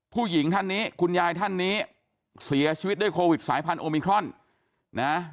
ผู้หญิงท่านนี้คุณยายท่านนี้เสียชีวิตด้วยโควิดสายพันธุมิครอนนะ